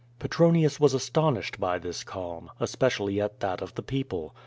Petronius was astonished by this calm — especially at that of the people.